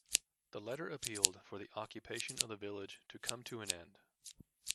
The letter appealed for the occupation of the village to come to an end.